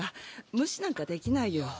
無視なんかできないよ。